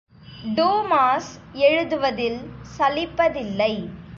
Dumas எழுதுவதில் சலிப்பதில்லை.